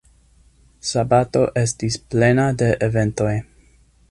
Sabato estis plena de eventoj.